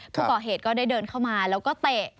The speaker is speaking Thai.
ผู้ก่อเหตุก็ได้เดินเข้ามาแล้วก็เตะ